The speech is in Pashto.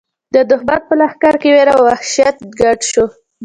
د دښمن په لښکر کې وېره او وحشت ګډ شو.